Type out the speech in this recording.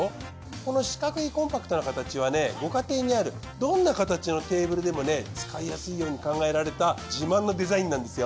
この四角いコンパクトな形はご家庭にあるどんな形のテーブルでも使いやすいように考えられた自慢のデザインなんですよ。